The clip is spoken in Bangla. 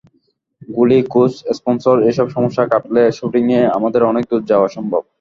গুলি, কোচ, স্পনসর এসব সমস্যা কাটলে শ্যুটিংয়ে আমাদের অনেক দূর যাওয়া সম্ভব।